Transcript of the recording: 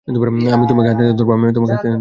আমি তোমাকে হাতেনাতে ধরব।